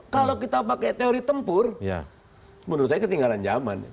kalau kita pakai teori tempur menurut saya ketinggalan zaman